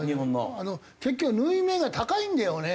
結局縫い目が高いんだよね。